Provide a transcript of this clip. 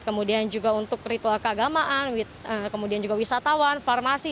kemudian juga untuk ritual keagamaan kemudian juga wisatawan farmasi